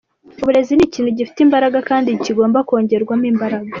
Uburezi ni ikintu gifite imbaraga kandi kigomba kongerwamo imbaraga.